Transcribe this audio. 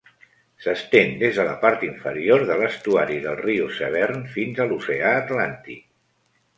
S'estén des de la part inferior de l'estuari del riu Severn fins a l'oceà Atlàntic.